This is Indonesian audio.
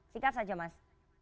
sikap saja mas